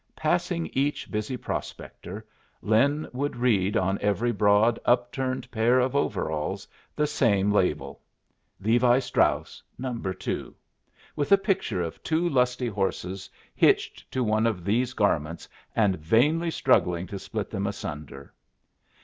Passing each busy prospector, Lin would read on every broad, upturned pair of overalls the same label, "Levi Strauss, No. 2," with a picture of two lusty horses hitched to one of these garments and vainly struggling to split them asunder.